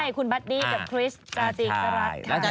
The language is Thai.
ใช่คุณบัดดี้กับคริสต์จาติกรัก